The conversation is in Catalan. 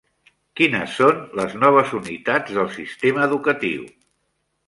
Quines són les noves unitats del sistema educatiu?